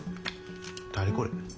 誰これ？